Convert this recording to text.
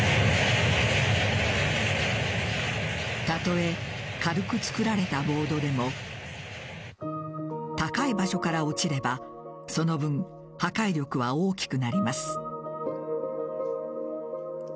たとえ軽く作られたボードでも高い場所から落ちればその分、破壊力は大きくなります。